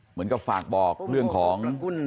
เหมือนกับฝากบอกเรื่องของ